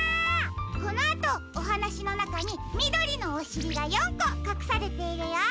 このあとおはなしのなかにみどりのおしりが４こかくされているよ。